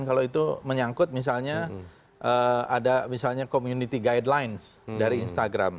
kalau itu menyangkut misalnya ada misalnya community guidelines dari instagram